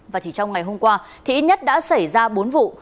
và chỉ trong ngày hôm qua thì ít nhất đã xảy ra bốn vụ